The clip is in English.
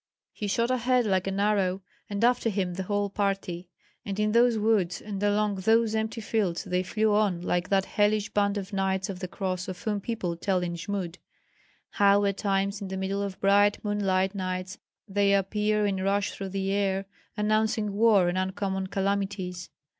He shot ahead like an arrow, and after him the whole party. And in those woods and along those empty fields they flew on like that hellish band of knights of the cross of whom people tell in Jmud, how at times in the middle of bright moonlight nights they appear and rush through the air, announcing war and uncommon calamities.